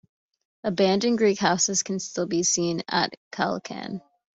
Abandoned Greek houses can still be seen at Kalkan.